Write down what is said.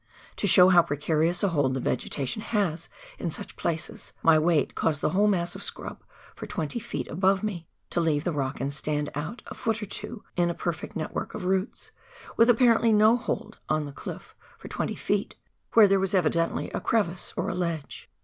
To show how precarious a hold the vegetation has in such places, my weight caused the whole mass of scrub for 20 ft. above me to leave the rock and stand out a foot or two a perfect network of roots, with apparently no hold on the cliff for 20 ft., where there was evidently a crevice or a ledge.